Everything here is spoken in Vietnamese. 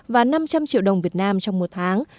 và năm trăm linh triệu đồng việt nam trong một tháng